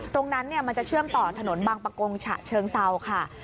ตรงนั้นเนี่ยมันจะเชื่อมต่อถนนบังประกงฉะเชิงเซาค่ะ